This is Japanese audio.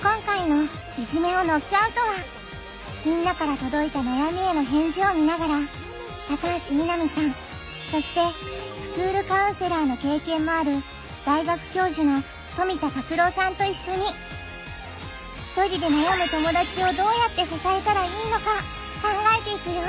今回の「いじめをノックアウト」はみんなからとどいた悩みへの返事を見ながら高橋みなみさんそしてスクールカウンセラーの経験もある大学教授の富田拓郎さんといっしょにひとりで悩む友だちをどうやって支えたらいいのか考えていくよ